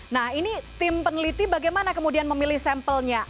nah ini tim peneliti bagaimana kemudian memilih sampelnya